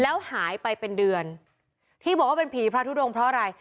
แล้วหายไปเป็นเดือนที่บอกว่าเป็นผีพระทุดงเพราะอะไร